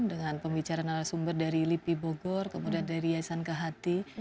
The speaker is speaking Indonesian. dengan pembicaraan ala sumber dari lipi bogor kemudian dari yayasan kehati